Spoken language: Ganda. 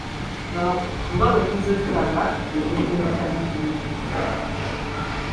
Nga bwe tuzze tulaba ebintu ebitali bimu.